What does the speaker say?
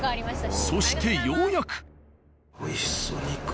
そしてようやく。